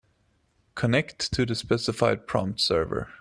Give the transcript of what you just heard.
Connect to the specified prompt server.